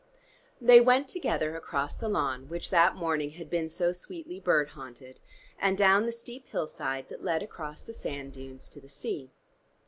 They went together across the lawn, which that morning had been so sweetly bird haunted, and down the steep hillside that led across the sand dunes to the sea.